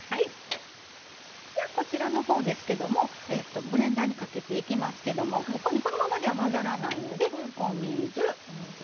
こちらのほうですけどもブレンダーにかけていきますけどもこのままでは混ざらないのでお水。